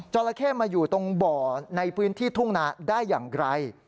ราเข้มาอยู่ตรงบ่อในพื้นที่ทุ่งนาได้อย่างไร